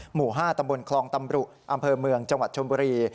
หมู่๕ตำบลคลองตำรุอำเภอเมืองจังหวัดชนบุรี